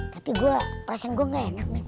tapi gua perasaan gua gak enak